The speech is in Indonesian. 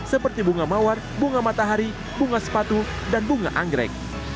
seperti bunga mawar bunga matahari bunga sepatu dan bunga anggrek